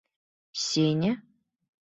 Сеня?